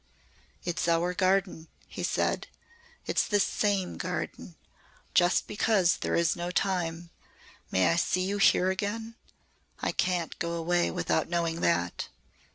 "It's our garden," he said. "It's the same garden. Just because there is no time may I see you here again? I can't go away without knowing that."